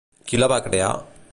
Qui la va crear?